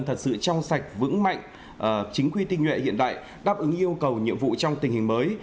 thật sự trong sạch vững mạnh chính quy tinh nhuệ hiện đại đáp ứng yêu cầu nhiệm vụ trong tình hình mới